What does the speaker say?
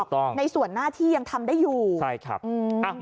ถูกต้องในส่วนหน้าที่ยังทำได้อยู่ใช่ครับอืม